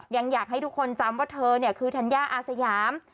ยังอยากให้ทุกคนจำว่าเธอคือธัญญาอาศยาม